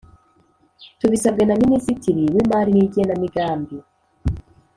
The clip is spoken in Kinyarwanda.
Tubisabwe na Minisitiri w Imari n Igenamigambi